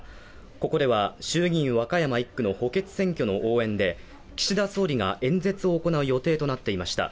ここでは、衆議院和歌山１区の補欠選挙の応援で岸田総理が演説を行う予定となっていました。